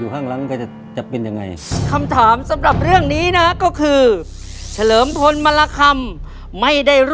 ข้ามถามสำหรับเรื่องนี้นะก็คือเฉลิมพลเมละคำ